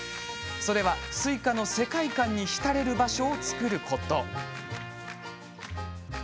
それは「すいか」の世界観に浸れる場所を作ること。